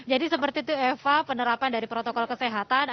jadi seperti itu eva penerapan dari protokol kesehatan